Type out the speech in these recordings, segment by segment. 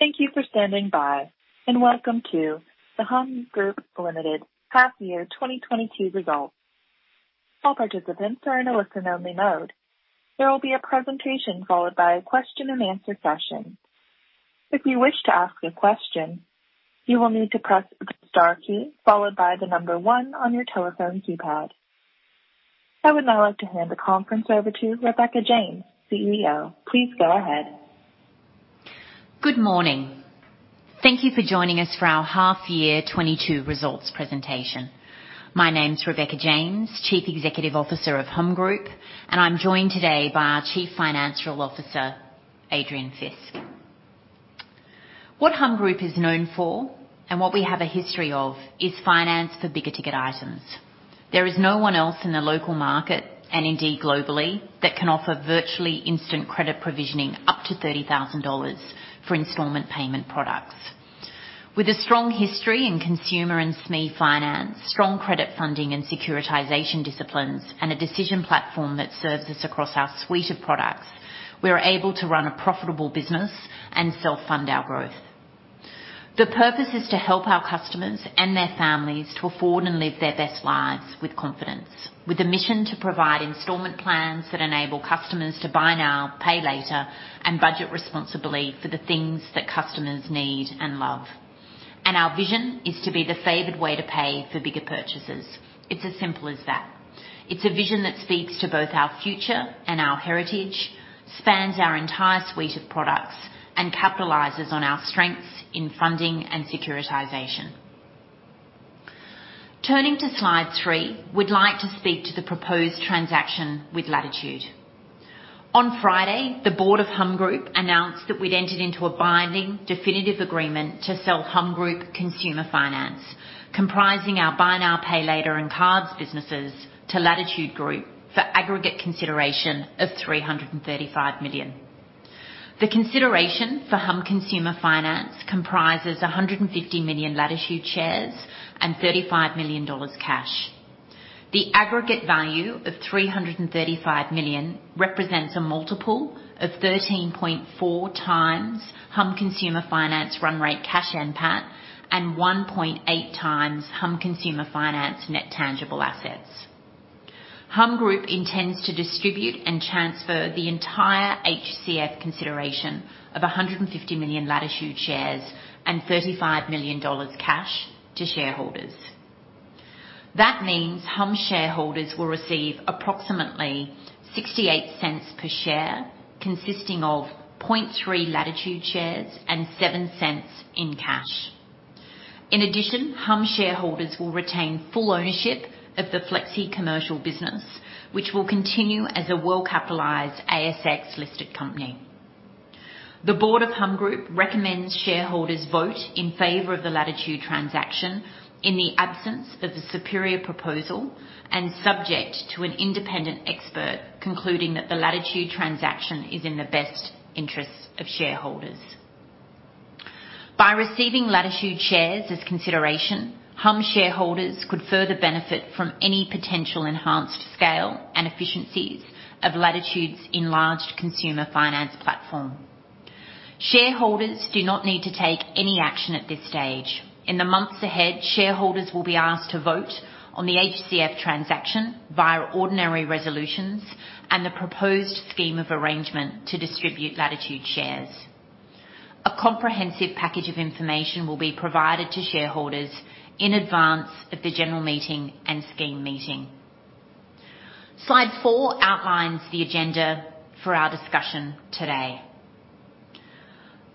Thank you for standing by, and welcome to the Humm Group Limited Half Year 2022 Results. All participants are in a listen-only mode. There will be a presentation followed by a question-and-answer session. If you wish to ask a question, you will need to press the star key followed by the number one on your telephone keypad. I would now like to hand the conference over to Rebecca James, CEO. Please go ahead. Good morning. Thank you for joining us for our half year 2022 results presentation. My name's Rebecca James, Chief Executive Officer of Humm Group, and I'm joined today by our Chief Financial Officer, Adrian Fisk. What Humm Group is known for and what we have a history of is finance for bigger ticket items. There is no one else in the local market, and indeed globally, that can offer virtually instant credit provisioning up to 30,000 dollars for installment payment products. With a strong history in consumer and SME finance, strong credit funding and securitization disciplines, and a decision platform that serves us across our suite of products, we are able to run a profitable business and self-fund our growth. The purpose is to help our customers and their families to afford and live their best lives with confidence, with a mission to provide installment plans that enable customers to buy now, pay later, and budget responsibly for the things that customers need and love. Our vision is to be the favored way to pay for bigger purchases. It's as simple as that. It's a vision that speaks to both our future and our heritage, spans our entire suite of products, and capitalizes on our strengths in funding and securitization. Turning to slide 3, we'd like to speak to the proposed transaction with Latitude. On Friday, the board of Humm Group announced that we'd entered into a binding definitive agreement to sell Humm Consumer Finance, comprising our buy now, pay later and cards businesses to Latitude Group for aggregate consideration of 335 million. The consideration for Humm Consumer Finance comprises 150 million Latitude shares and 35 million dollars cash. The aggregate value of 335 million represents a multiple of 13.4x Humm Consumer Finance run rate cash NPAT and 1.8x Humm Consumer Finance net tangible assets. Humm Group intends to distribute and transfer the entire HCF consideration of 150 million Latitude shares and 35 million dollars cash to shareholders. That means Humm shareholders will receive approximately 0.68 per share, consisting of 0.3 Latitude shares and 0.07 in cash. In addition, Humm shareholders will retain full ownership of the flexicommercial business, which will continue as a well-capitalized ASX-listed company. The board of Humm Group recommends shareholders vote in favor of the Latitude transaction in the absence of a superior proposal and subject to an independent expert concluding that the Latitude transaction is in the best interests of shareholders. By receiving Latitude shares as consideration, Humm shareholders could further benefit from any potential enhanced scale and efficiencies of Latitude's enlarged consumer finance platform. Shareholders do not need to take any action at this stage. In the months ahead, shareholders will be asked to vote on the HCF transaction via ordinary resolutions and the proposed scheme of arrangement to distribute Latitude shares. A comprehensive package of information will be provided to shareholders in advance of the general meeting and scheme meeting. Slide 4 outlines the agenda for our discussion today.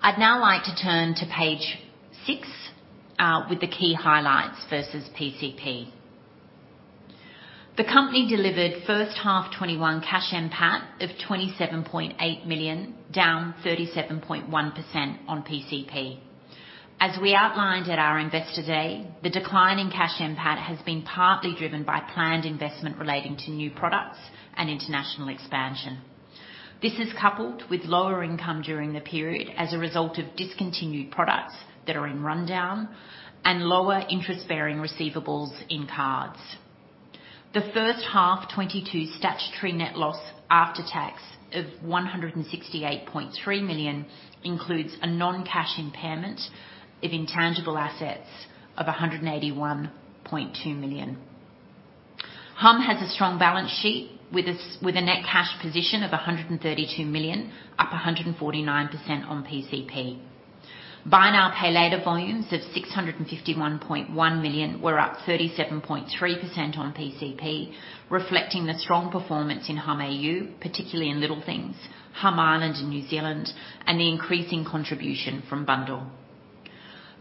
I'd now like to turn to page 6 with the key highlights versus PCP. The company delivered first half 2021 cash NPAT of 27.8 million, down 37.1% on PCP. As we outlined at our Investor Day, the decline in cash NPAT has been partly driven by planned investment relating to new products and international expansion. This is coupled with lower income during the period as a result of discontinued products that are in rundown and lower interest-bearing receivables in cards. The first half 2022 statutory net loss after tax of 168.3 million includes a non-cash impairment of intangible assets of 181.2 million. Humm has a strong balance sheet with a net cash position of 132 million, up 149% on PCP. Buy now, pay later volumes of 651.1 million were up 37.3% on PCP, reflecting the strong performance in Humm AU, particularly in Little Things, Humm Ireland and New Zealand, and the increasing contribution from bundll.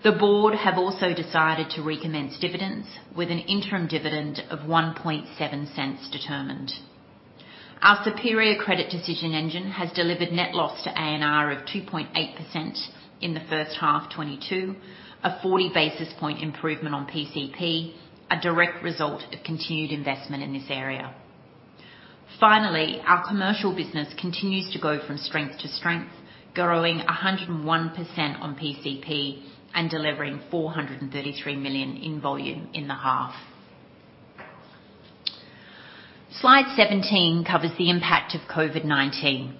The board have also decided to recommence dividends with an interim dividend of 0.017 determined. Our superior credit decision engine has delivered net loss to ANR of 2.8% in the first half 2022. A 40 basis points improvement on PCP, a direct result of continued investment in this area. Finally, our commercial business continues to go from strength to strength, growing 101% on PCP and delivering 433 million in volume in the half. Slide 17 covers the impact of COVID-19.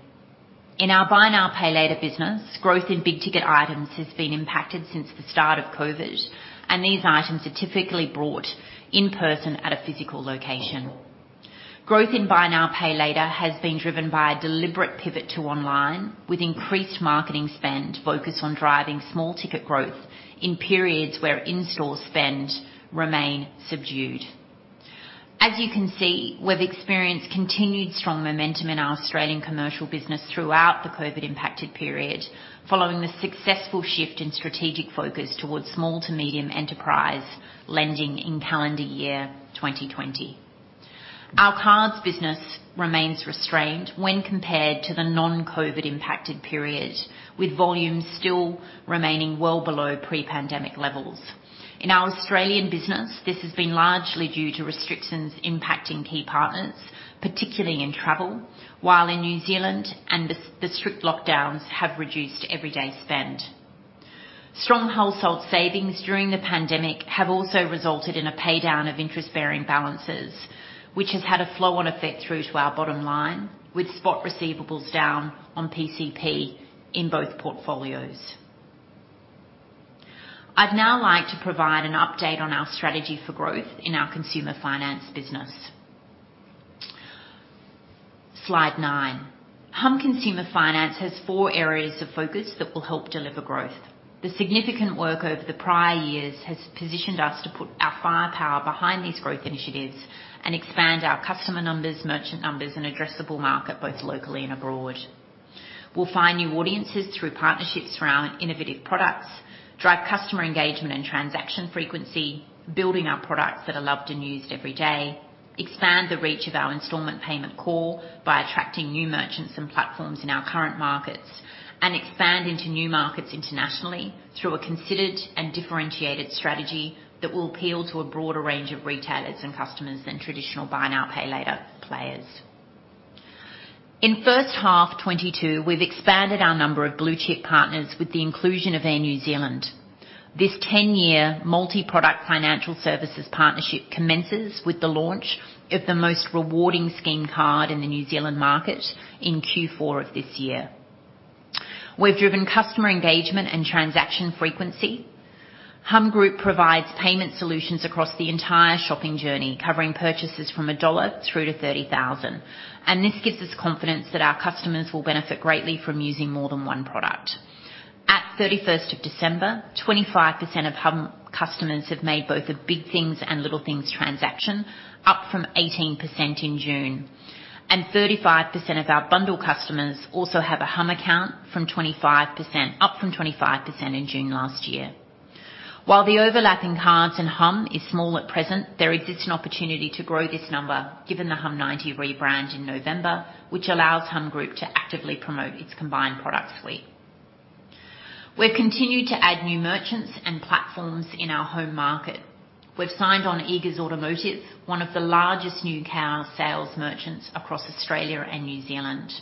In our buy now, pay later business, growth in big-ticket items has been impacted since the start of COVID, and these items are typically brought in person at a physical location. Growth in buy now, pay later has been driven by a deliberate pivot to online, with increased marketing spend focused on driving small ticket growth in periods where in-store spend remain subdued. As you can see, we've experienced continued strong momentum in our Australian commercial business throughout the COVID impacted period, following the successful shift in strategic focus towards small to medium enterprise lending in calendar year 2020. Our cards business remains restrained when compared to the non-COVID impacted period, with volumes still remaining well below pre-pandemic levels. In our Australian business, this has been largely due to restrictions impacting key partners, particularly in travel, while in New Zealand and the strict lockdowns have reduced everyday spend. Strong household savings during the pandemic have also resulted in a pay down of interest-bearing balances, which has had a flow-on effect through to our bottom line, with spot receivables down on PCP in both portfolios. I'd now like to provide an update on our strategy for growth in our consumer finance business, slide 9. Humm Consumer Finance has four areas of focus that will help deliver growth. The significant work over the prior years has positioned us to put our firepower behind these growth initiatives and expand our customer numbers, merchant numbers, and addressable market, both locally and abroad. We'll find new audiences through partnerships for our innovative products, drive customer engagement and transaction frequency, building our products that are loved and used every day, expand the reach of our installment payment core by attracting new merchants and platforms in our current markets, and expand into new markets internationally through a considered and differentiated strategy that will appeal to a broader range of retailers and customers than traditional buy now, pay later players. In H1 2022, we've expanded our number of blue-chip partners with the inclusion of Air New Zealand. This 10-year multi-product financial services partnership commences with the launch of the most rewarding scheme card in the New Zealand market in Q4 of this year. We've driven customer engagement and transaction frequency. Humm Group provides payment solutions across the entire shopping journey, covering purchases from AUD 1 through to 30,000. This gives us confidence that our customers will benefit greatly from using more than one product. At 31st of December, 25% of Humm customers have made both a Big things and Little things transaction, up from 18% in June. 35% of our bundll customers also have a Humm account, up from 25% in June last year. While the overlapping cards in Humm is small at present, there exists an opportunity to grow this number given the humm90 rebrand in November, which allows Humm Group to actively promote its combined product suite. We've continued to add new merchants and platforms in our home market. We've signed on Eagers Automotive, one of the largest new car sales merchants across Australia and New Zealand.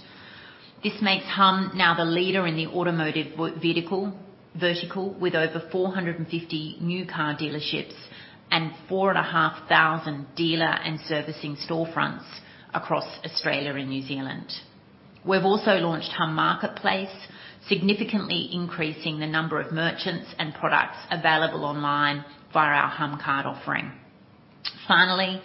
This makes Humm now the leader in the automotive vertical with over 450 new car dealerships and 4,500 dealer and servicing storefronts across Australia and New Zealand. We've also launched Humm Marketplace, significantly increasing the number of merchants and products available online via our Humm card offering. Finally,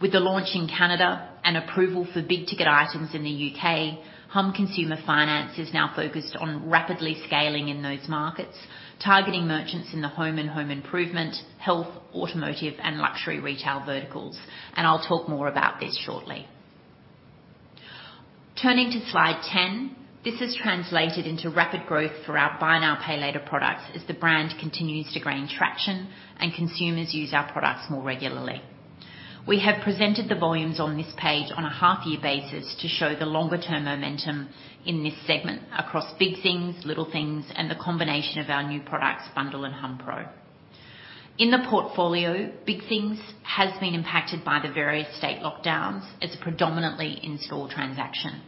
with the launch in Canada and approval for big-ticket items in the U.K., Humm Consumer Finance is now focused on rapidly scaling in those markets, targeting merchants in the home and home improvement, health, automotive, and luxury retail verticals. I'll talk more about this shortly. Turning to slide 10. This has translated into rapid growth for our buy now, pay later products as the brand continues to gain traction and consumers use our products more regularly. We have presented the volumes on this page on a half-year basis to show the longer term momentum in this segment across Big things, Little things, and the combination of our new products, bundll and hummpro. In the portfolio, Big things has been impacted by the various state lockdowns as a predominantly in-store transaction.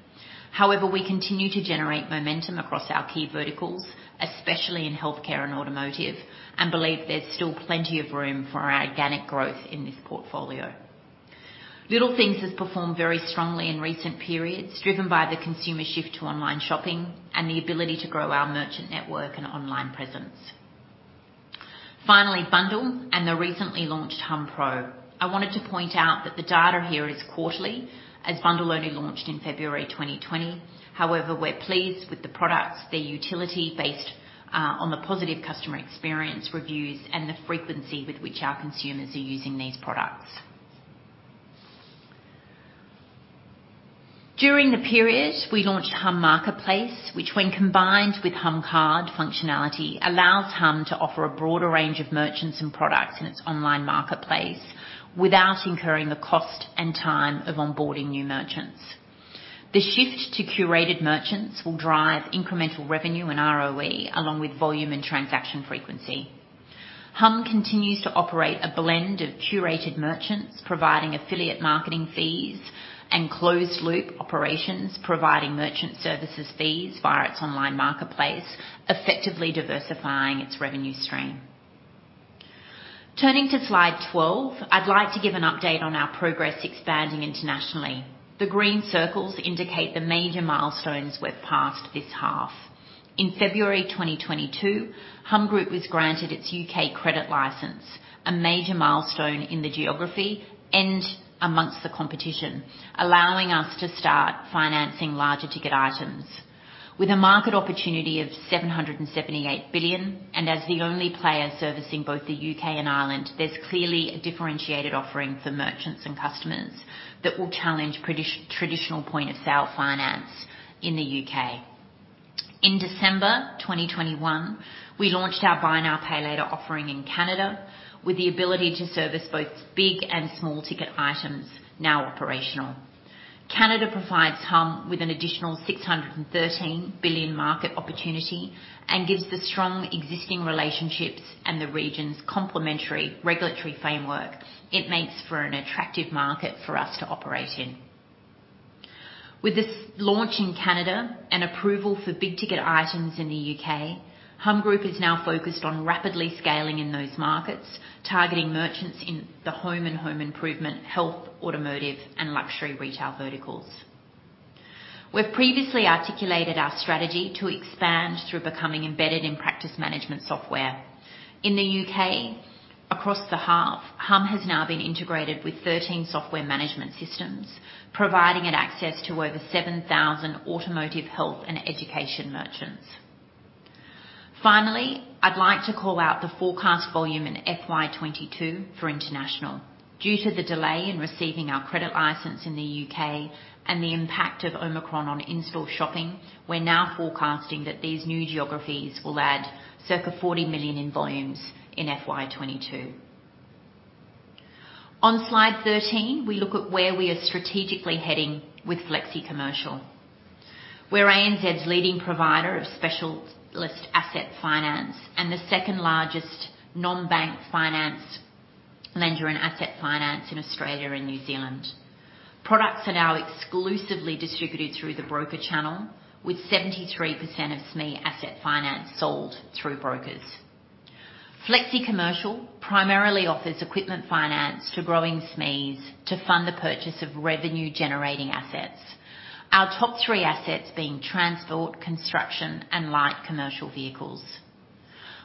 However, we continue to generate momentum across our key verticals, especially in healthcare and automotive, and believe there's still plenty of room for our organic growth in this portfolio. Little things has performed very strongly in recent periods, driven by the consumer shift to online shopping and the ability to grow our merchant network and online presence. Finally, bundll and the recently launched hummpro. I wanted to point out that the data here is quarterly as bundll only launched in February 2020. However, we're pleased with the products, their utility based on the positive customer experience reviews and the frequency with which our consumers are using these products. During the period, we launched Humm Marketplace, which when combined with Humm card functionality, allows Humm to offer a broader range of merchants and products in its online marketplace without incurring the cost and time of onboarding new merchants. The shift to curated merchants will drive incremental revenue and ROE along with volume and transaction frequency. Humm continues to operate a blend of curated merchants, providing affiliate marketing fees and closed loop operations, providing merchant services fees via its online marketplace, effectively diversifying its revenue stream. Turning to slide 12, I'd like to give an update on our progress expanding internationally. The green circles indicate the major milestones we've passed this half. In February 2022, Humm Group was granted its U.K. credit license, a major milestone in the geography and amongst the competition, allowing us to start financing larger ticket items. With a market opportunity of 778 billion and as the only player servicing both the U.K. and Ireland, there's clearly a differentiated offering for merchants and customers that will challenge traditional point-of-sale finance in the U.K. In December 2021, we launched our buy now, pay later offering in Canada with the ability to service both big and small ticket items now operational. Canada provides Humm with an additional 613 billion market opportunity and given the strong existing relationships and the region's complementary regulatory framework. It makes for an attractive market for us to operate in. With this launch in Canada and approval for big ticket items in the U.K., Humm Group is now focused on rapidly scaling in those markets, targeting merchants in the home and home improvement, health, automotive, and luxury retail verticals. We've previously articulated our strategy to expand through becoming embedded in practice management software. In the U.K., across the half, Humm has now been integrated with 13 software management systems, providing it access to over 7,000 automotive health and education merchants. Finally, I'd like to call out the forecast volume in FY 2022 for international. Due to the delay in receiving our credit license in the U.K. and the impact of Omicron on in-store shopping, we're now forecasting that these new geographies will add circa 40 million in volumes in FY 2022. On slide 13, we look at where we are strategically heading with flexicommercial. We're ANZ's leading provider of specialist asset finance and the second largest non-bank finance lender in asset finance in Australia and New Zealand. Products are now exclusively distributed through the broker channel, with 73% of SME asset finance sold through brokers. flexicommercial primarily offers equipment finance to growing SMEs to fund the purchase of revenue-generating assets, our top three assets being transport, construction, and light commercial vehicles.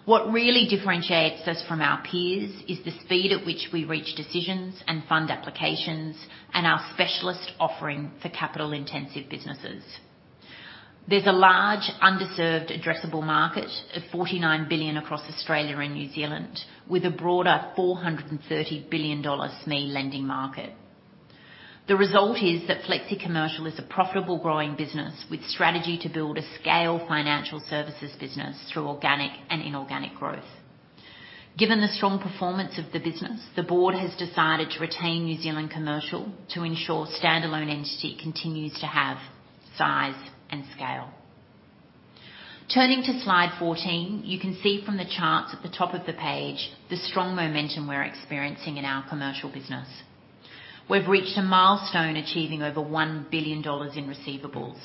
What really differentiates us from our peers is the speed at which we reach decisions and fund applications and our specialist offering for capital-intensive businesses. There's a large underserved addressable market of 49 billion across Australia and New Zealand with a broader 430 billion dollar SME lending market. The result is that flexicommercial is a profitable growing business with strategy to build a scale financial services business through organic and inorganic growth. Given the strong performance of the business, the board has decided to retain New Zealand Commercial to ensure standalone entity continues to have size and scale. Turning to slide 14, you can see from the charts at the top of the page the strong momentum we're experiencing in our commercial business. We've reached a milestone, achieving over 1 billion dollars in receivables.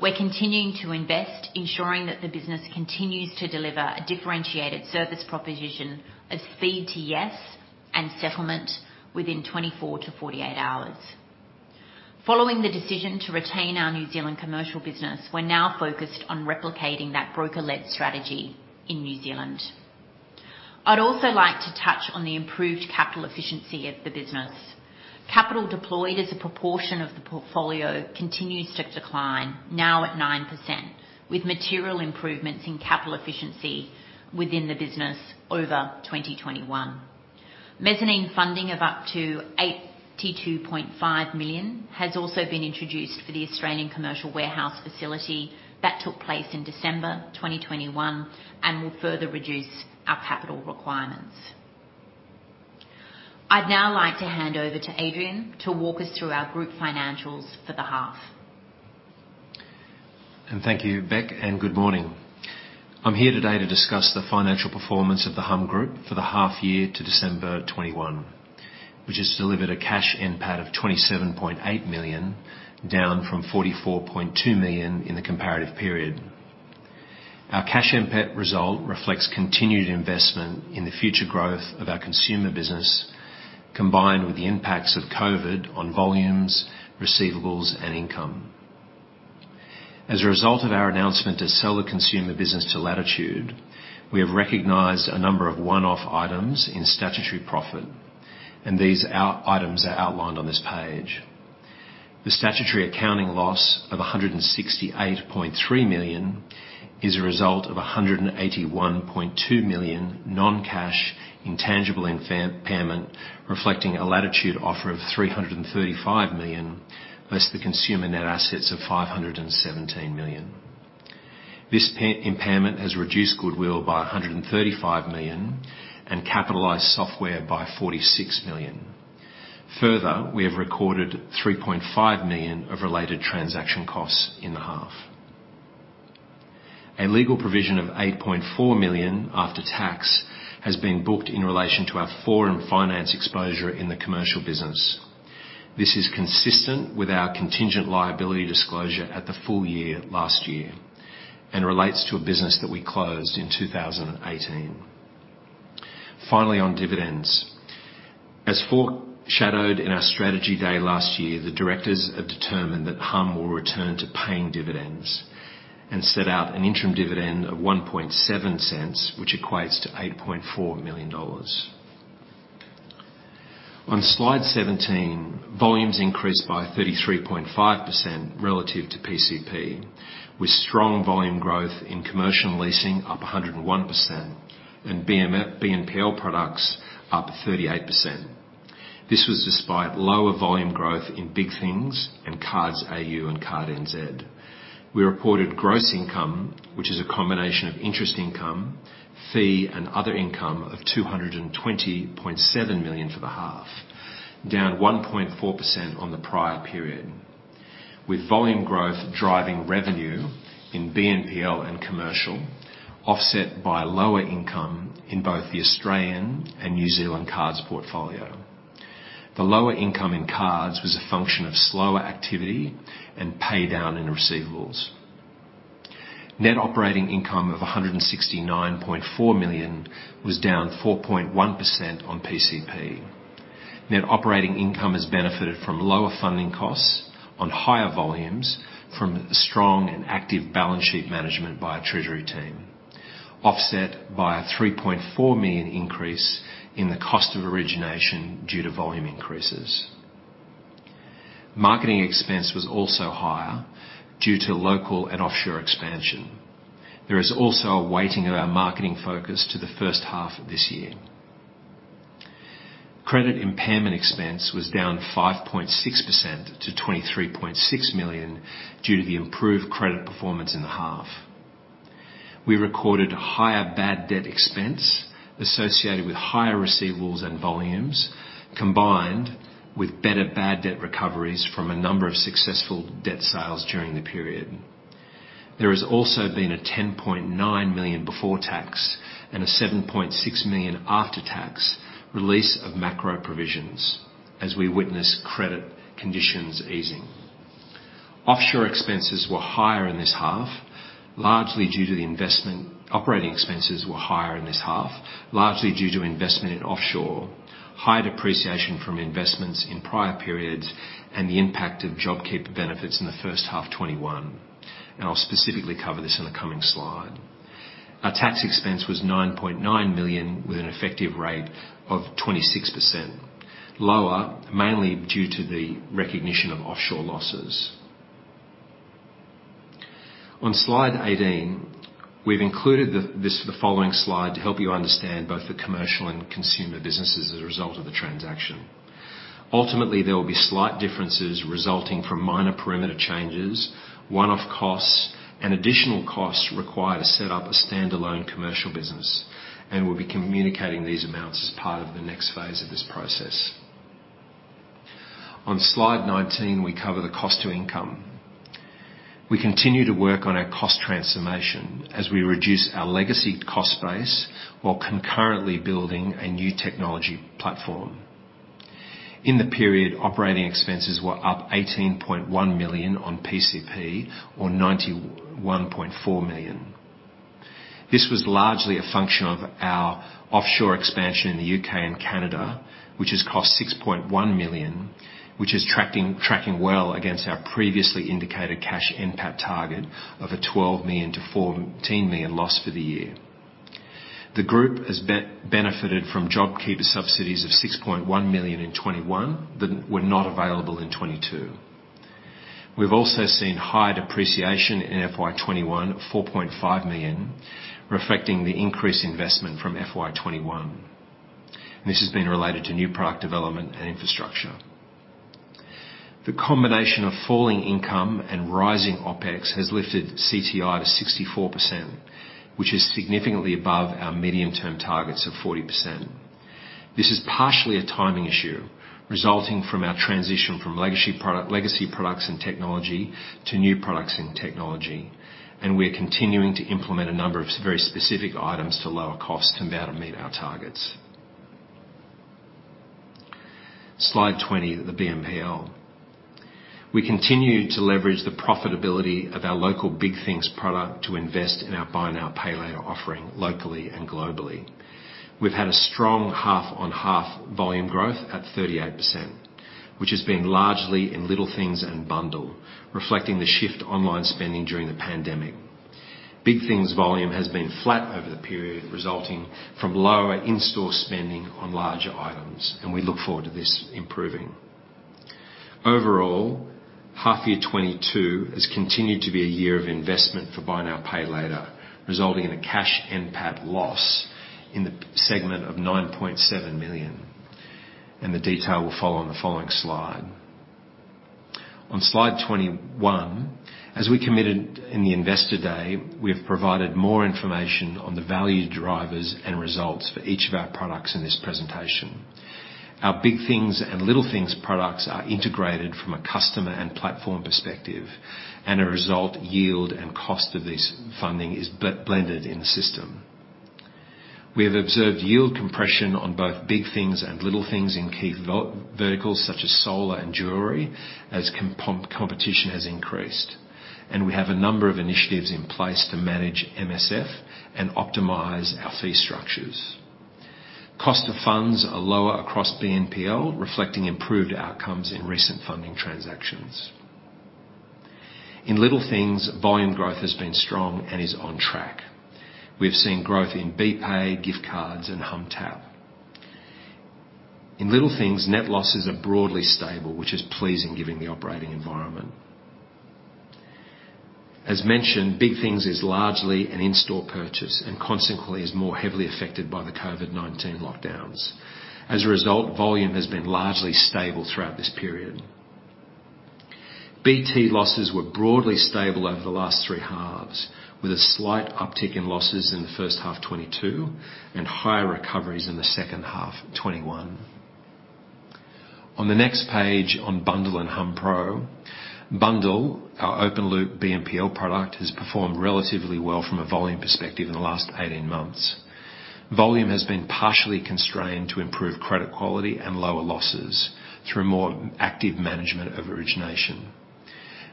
We're continuing to invest, ensuring that the business continues to deliver a differentiated service proposition of speed to yes and settlement within 24-48 hours. Following the decision to retain our New Zealand Commercial business, we're now focused on replicating that broker-led strategy in New Zealand. I'd also like to touch on the improved capital efficiency of the business. Capital deployed as a proportion of the portfolio continues to decline, now at 9%, with material improvements in capital efficiency within the business over 2021. Mezzanine funding of up to 82.5 million has also been introduced for the Australian commercial warehouse facility that took place in December 2021 and will further reduce our capital requirements. I'd now like to hand over to Adrian to walk us through our group financials for the half. Thank you, Bec, and good morning. I'm here today to discuss the financial performance of the Humm Group for the half year to December 2021, which has delivered a cash NPAT of 27.8 million, down from 44.2 million in the comparative period. Our cash NPAT result reflects continued investment in the future growth of our consumer business, combined with the impacts of COVID on volumes, receivables, and income. As a result of our announcement to sell the consumer business to Latitude, we have recognized a number of one-off items in statutory profit, and these items are outlined on this page. The statutory accounting loss of 168.3 million is a result of 181.2 million non-cash intangible impairment, reflecting a Latitude offer of 335 million versus the consumer net assets of 517 million. This impairment has reduced goodwill by 135 million and capitalized software by 46 million. Further, we have recorded 3.5 million of related transaction costs in the half. A legal provision of 8.4 million after tax has been booked in relation to our Forum Finance exposure in the commercial business. This is consistent with our contingent liability disclosure at the full year last year, and relates to a business that we closed in 2018. Finally, on dividends. As foreshadowed in our strategy day last year, the directors have determined that Humm will return to paying dividends and set out an interim dividend of 0.017, which equates to 8.4 million dollars. On slide 17, volumes increased by 33.5% relative to PCP, with strong volume growth in commercial leasing up 101% and BNPL products up 38%. This was despite lower volume growth in Big Things and Cards AU and Cards NZ. We reported gross income, which is a combination of interest income, fees, and other income of 220.7 million for the half, down 1.4% on the prior period, with volume growth driving revenue in BNPL and commercial, offset by lower income in both the Australian and New Zealand Cards portfolio. The lower income in cards was a function of slower activity and pay down in receivables. Net operating income of AUD 169.4 million was down 4.1% on PCP. Net operating income has benefited from lower funding costs on higher volumes from strong and active balance sheet management by our treasury team, offset by a 3.4 million increase in the cost of origination due to volume increases. Marketing expense was also higher due to local and offshore expansion. There is also a weighting of our marketing focus to the first half of this year. Credit impairment expense was down 5.6% to 23.6 million due to the improved credit performance in the half. We recorded higher bad debt expense associated with higher receivables and volumes, combined with better bad debt recoveries from a number of successful debt sales during the period. There has also been a 10.9 million before tax and a 7.6 million after tax release of macro provisions as we witness credit conditions easing. Operating expenses were higher in this half, largely due to investment in offshore, high depreciation from investments in prior periods, and the impact of JobKeeper benefits in the first half 2021. I'll specifically cover this in the coming slide. Our tax expense was 9.9 million, with an effective rate of 26%, lower mainly due to the recognition of offshore losses. On slide 18, we've included the following slide to help you understand both the commercial and consumer businesses as a result of the transaction. Ultimately, there will be slight differences resulting from minor perimeter changes, one-off costs, and additional costs required to set up a standalone commercial business, and we'll be communicating these amounts as part of the next phase of this process. On slide 19, we cover the cost to income. We continue to work on our cost transformation as we reduce our legacy cost base while concurrently building a new technology platform. In the period, operating expenses were up 18.1 million on PCP or 91.4 million. This was largely a function of our offshore expansion in the U.K. and Canada, which has cost 6.1 million, which is tracking well against our previously indicated cash NPAT target of a 12 million-14 million loss for the year. The group has benefited from JobKeeper subsidies of 6.1 million in 2021 that were not available in 2022. We've also seen higher depreciation in FY 2021, 4.5 million, reflecting the increased investment from FY 2021. This has been related to new product development and infrastructure. The combination of falling income and rising OpEx has lifted CTI to 64%, which is significantly above our medium-term targets of 40%. This is partially a timing issue resulting from our transition from legacy product, legacy products and technology to new products and technology, and we are continuing to implement a number of very specific items to lower costs and be able to meet our targets. Slide 20, the BNPL. We continue to leverage the profitability of our local Big Things product to invest in our buy now, pay later offering locally and globally. We've had a strong half-on-half volume growth at 38%, which has been largely in Little Things and bundll, reflecting the shift to online spending during the pandemic. Big Things volume has been flat over the period, resulting from lower in-store spending on larger items, and we look forward to this improving. Overall, half year 2022 has continued to be a year of investment for buy now, pay later, resulting in a cash NPAT loss in the BNPL segment of 9.7 million, and the detail will follow on the following slide. On slide 21, as we committed in the Investor Day, we have provided more information on the value drivers and results for each of our products in this presentation. Our Big Things and Little Things products are integrated from a customer and platform perspective, and as a result, yield and cost of this funding is blended in the system. We have observed yield compression on both Big Things and Little Things in key vehicles such as solar and jewelry, as competition has increased, and we have a number of initiatives in place to manage MSF and optimize our fee structures. Cost of funds are lower across BNPL, reflecting improved outcomes in recent funding transactions. In Little Things, volume growth has been strong and is on track. We have seen growth in BPAY, gift cards, and humm//TAPP. In Little Things, net losses are broadly stable, which is pleasing given the operating environment. As mentioned, Big Things is largely an in-store purchase and consequently is more heavily affected by the COVID-19 lockdowns. As a result, volume has been largely stable throughout this period. BT losses were broadly stable over the last three halves, with a slight uptick in losses in the first half 2022 and higher recoveries in the second half 2021. On the next page, on bundll and hummpro. Bundll, our open-loop BNPL product, has performed relatively well from a volume perspective in the last 18 months. Volume has been partially constrained to improve credit quality and lower losses through more active management of origination.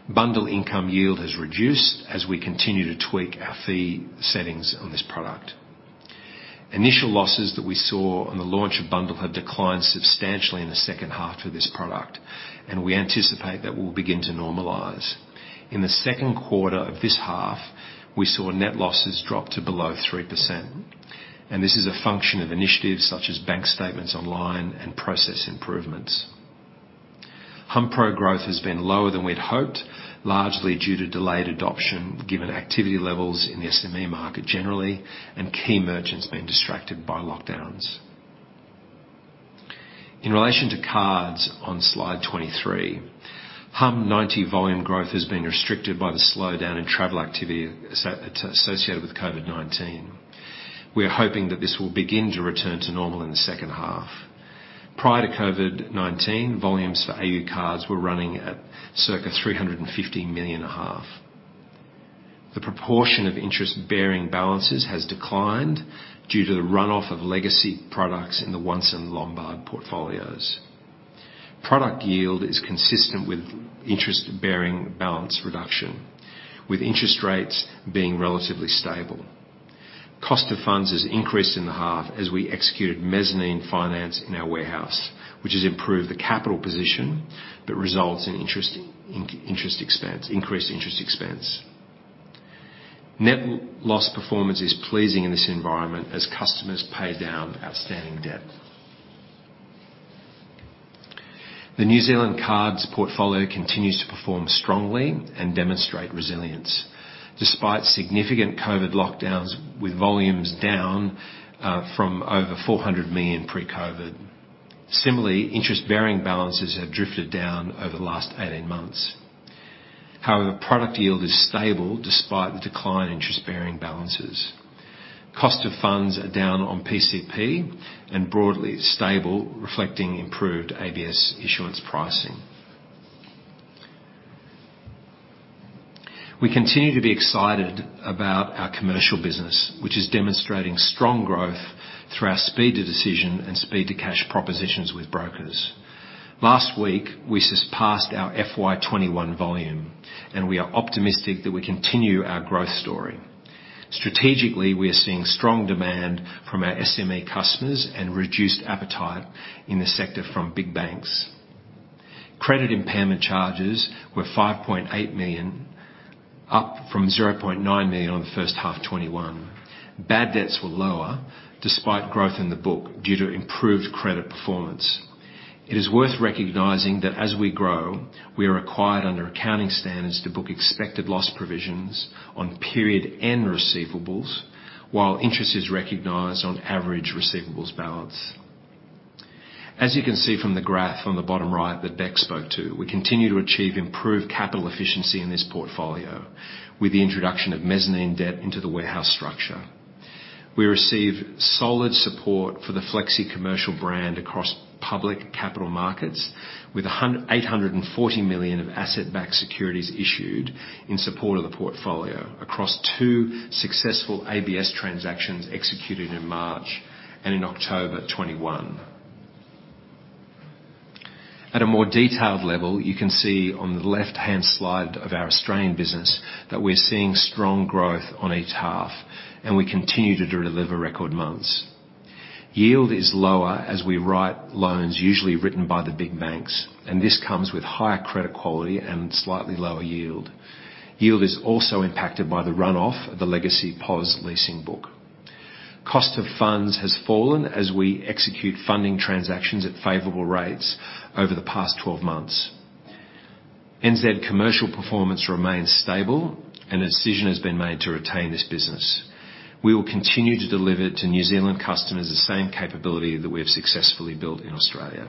Bundll income yield has reduced as we continue to tweak our fee settings on this product. Initial losses that we saw on the launch of bundll have declined substantially in the second half for this product, and we anticipate that will begin to normalize. In the second quarter of this half, we saw net losses drop to below 3%, and this is a function of initiatives such as bank statements online and process improvements. Hummpro growth has been lower than we'd hoped, largely due to delayed adoption given activity levels in the SME market generally and key merchants being distracted by lockdowns. In relation to cards on slide 23, humm90 volume growth has been restricted by the slowdown in travel activity associated with COVID-19. We are hoping that this will begin to return to normal in the second half. Prior to COVID-19, volumes for AU cards were running at circa 350 million a half. The proportion of interest-bearing balances has declined due to the runoff of legacy products in the Once Lombard portfolios. Product yield is consistent with interest-bearing balance reduction, with interest rates being relatively stable. Cost of funds has increased in the half as we executed mezzanine finance in our warehouse, which has improved the capital position but results in increased interest expense. Net loss performance is pleasing in this environment as customers pay down outstanding debt. The New Zealand cards portfolio continues to perform strongly and demonstrate resilience despite significant COVID lockdowns, with volumes down from over 400 million pre-COVID. Similarly, interest-bearing balances have drifted down over the last 18 months. However, product yield is stable despite the decline in interest-bearing balances. Cost of funds are down on PCP and broadly stable, reflecting improved ABS issuance pricing. We continue to be excited about our commercial business, which is demonstrating strong growth through our speed to decision and speed to cash propositions with brokers. Last week, we surpassed our FY 2021 volume, and we are optimistic that we continue our growth story. Strategically, we are seeing strong demand from our SME customers and reduced appetite in the sector from big banks. Credit impairment charges were 5.8 million, up from 0.9 million on the first half 2021. Bad debts were lower despite growth in the book due to improved credit performance. It is worth recognizing that as we grow, we are required under accounting standards to book expected loss provisions on period-end receivables while interest is recognized on average receivables balance. As you can see from the graph on the bottom right that Bec spoke to, we continue to achieve improved capital efficiency in this portfolio with the introduction of mezzanine debt into the warehouse structure. We receive solid support for the flexicommercial brand across public capital markets, with 840 million of asset-backed securities issued in support of the portfolio across two successful ABS transactions executed in March and in October 2021. At a more detailed level, you can see on the left-hand slide of our Australian business that we're seeing strong growth on each half, and we continue to deliver record months. Yield is lower as we write loans usually written by the big banks, and this comes with higher credit quality and slightly lower yield. Yield is also impacted by the runoff of the legacy POS leasing book. Cost of funds has fallen as we execute funding transactions at favorable rates over the past 12 months. New Zealand Commercial performance remains stable and a decision has been made to retain this business. We will continue to deliver to New Zealand customers the same capability that we have successfully built in Australia.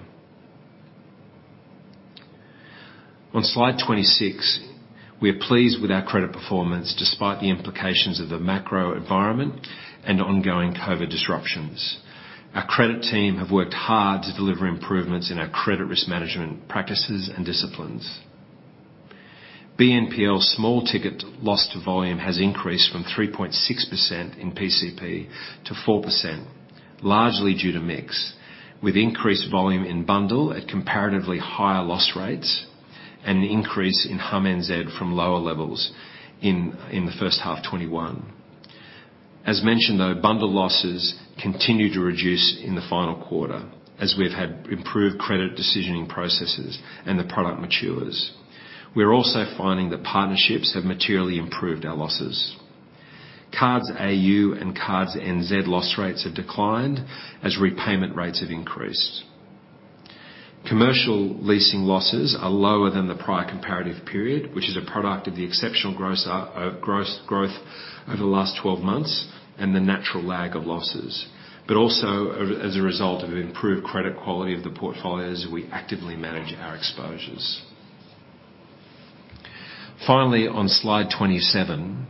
On slide 26, we are pleased with our credit performance despite the implications of the macro environment and ongoing COVID disruptions. Our credit team have worked hard to deliver improvements in our credit risk management practices and disciplines. BNPL small ticket loss to volume has increased from 3.6% in PCP to 4%, largely due to mix, with increased volume in bundll at comparatively higher loss rates and an increase in Humm NZ from lower levels in the first half 2021. As mentioned, our bundll losses continued to reduce in the final quarter as we have had improved credit decisioning processes and the product matures. We're also finding that partnerships have materially improved our losses. Cards AU and Cards NZ loss rates have declined as repayment rates have increased. Commercial leasing losses are lower than the prior comparative period, which is a product of the exceptional gross growth over the last 12 months and the natural lag of losses. But also as a result of improved credit quality of the portfolios, we actively manage our exposures. Finally, on slide 27,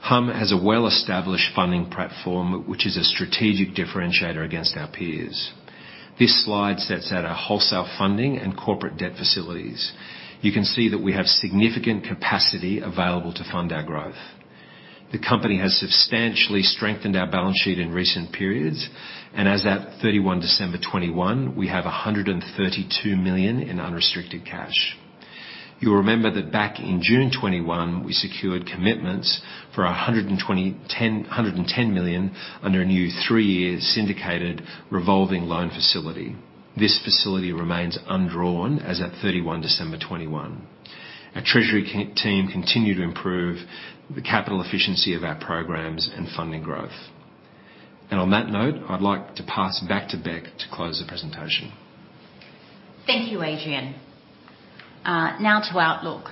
Humm has a well-established funding platform which is a strategic differentiator against our peers. This slide sets out our wholesale funding and corporate debt facilities. You can see that we have significant capacity available to fund our growth. The company has substantially strengthened our balance sheet in recent periods, and as at 31 December 2021, we have 132 million in unrestricted cash. You'll remember that back in June 2021, we secured commitments for 110 million under a new three-year syndicated revolving loan facility. This facility remains undrawn as at 31 December 2021. Our treasury team continue to improve the capital efficiency of our programs and funding growth. On that note, I'd like to pass back to Bec to close the presentation. Thank you, Adrian. Now to outlook.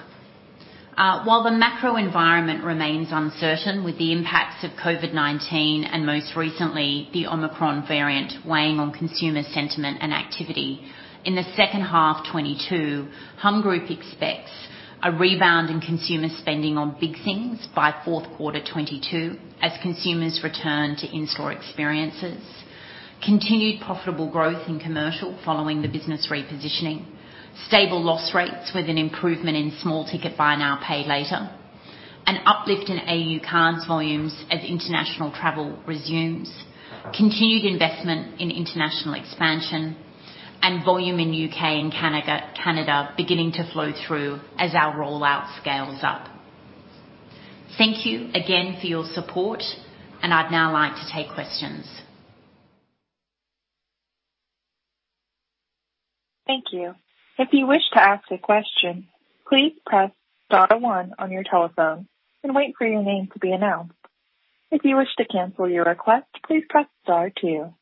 While the macro environment remains uncertain with the impacts of COVID-19, and most recently, the Omicron variant weighing on consumer sentiment and activity. In the second half 2022, Humm Group expects a rebound in consumer spending on Big Things by fourth quarter 2022 as consumers return to in-store experiences. Continued profitable growth in commercial following the business repositioning. Stable loss rates with an improvement in small ticket buy now, pay later. An uplift in AU cards volumes as international travel resumes. Continued investment in international expansion and volume in U.K. and Canada beginning to flow through as our rollout scales up. Thank you again for your support, and I'd now like to take questions. Thank you. If you wish to ask a question, please press star one on your telephone and wait for your name to be announced. If you wish to cancel your request, please press star two.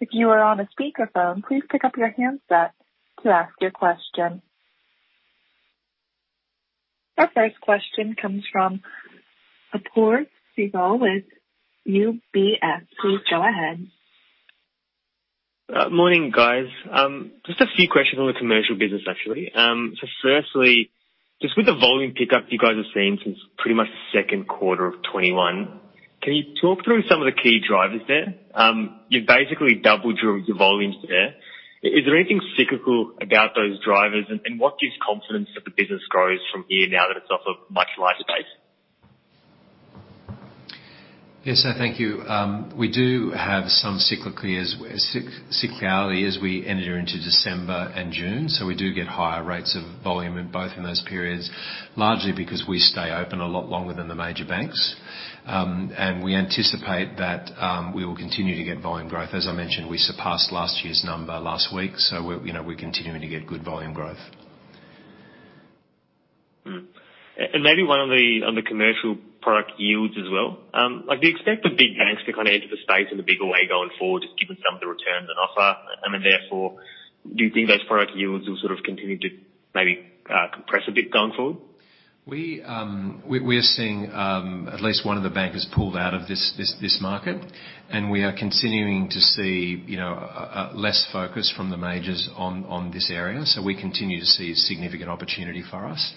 If you are on a speakerphone, please pick up your handset to ask your question. Our first question comes from Apoorv Sehgal with UBS. Please go ahead. Morning, guys. Just a few questions on the commercial business, actually. So firstly, just with the volume pickup you guys have seen since pretty much the second quarter of 2021, can you talk through some of the key drivers there? You've basically doubled your volumes there. Is there anything cyclical about those drivers, and what gives confidence that the business grows from here now that it's off of much lighter base? Yes. Thank you. We do have some cyclical years cyclically as we enter into December and June. We get higher rates of volume in both those periods, largely because we stay open a lot longer than the major banks. We anticipate that we will continue to get volume growth. As I mentioned, we surpassed last year's number last week, so we're, you know, we're continuing to get good volume growth. Maybe one on the commercial product yields as well. Like, do you expect the big banks to kinda enter the space in a bigger way going forward, given some of the returns on offer? Therefore, do you think those product yields will sort of continue to maybe compress a bit going forward? We are seeing at least one of the bankers pulled out of this market. We are continuing to see, you know, less focus from the majors on this area. We continue to see significant opportunity for us.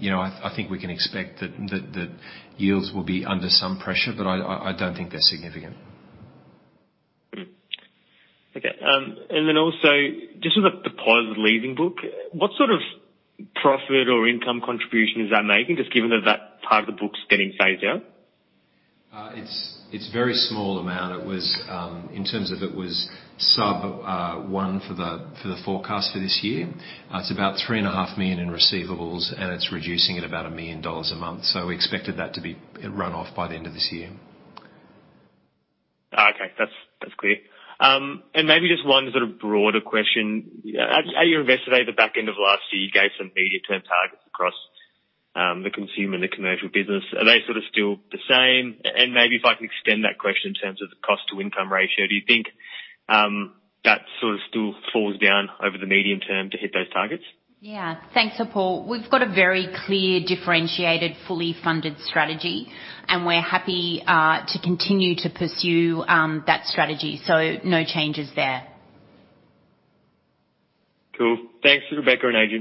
You know, I think we can expect that yields will be under some pressure, but I don't think they're significant. Just with the PosPP leasing book, what sort of profit or income contribution is that making, just given that that part of the book's getting phased out? It's a very small amount. It was sub one for the forecast for this year. It's about 3.5 million in receivables, and it's reducing at about 1 million dollars a month. We expected that to be run off by the end of this year. Oh, okay. That's clear. Maybe just one sort of broader question. At your investor day at the back end of last year, you gave some medium-term targets across, the consumer and the commercial business. Are they sort of still the same? Maybe if I can extend that question in terms of the cost to income ratio. Do you think, that sort of still falls down over the medium term to hit those targets? Yeah. Thanks, Apoorv. We've got a very clear, differentiated, fully funded strategy, and we're happy to continue to pursue that strategy. No changes there. Cool. Thanks, Rebecca and Adrian.